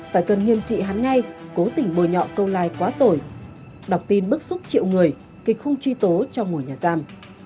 phải cần nghiêm trị hắn ngay cố tình bồi nhọ câu like quá tội đọc tin bức xúc triệu người kịch khung truy tố cho ngồi nhà giam